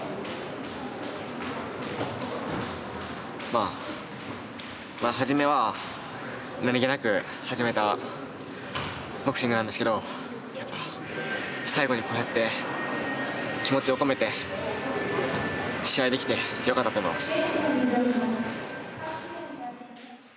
まあまあ初めは何気なく始めたボクシングなんですけどやっぱ最後にこうやって気持ちを込めて試合できてよかったと思います。